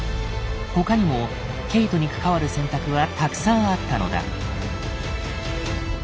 他にもケイトに関わる選択はたくさんあったのだ。